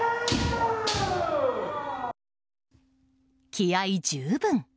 気合十分！